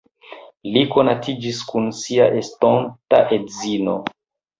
Li konatiĝis kun sia estonta edzino.